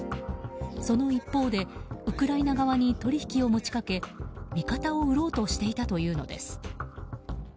その一方でウクライナ側に取引を持ちかけ味方を売ろうとしていたというのです。